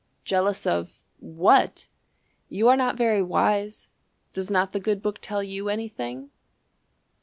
Jealous of What? You are not very wise. Does not the good Book tell you anything?